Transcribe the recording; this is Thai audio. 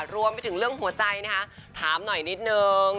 รวมไปถึงเรื่องหัวใจนะคะถามหน่อยนิดนึง